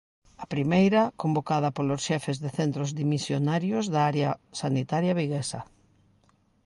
A primeira, convocada polos xefes de centros dimisionarios da área sanitaria viguesa.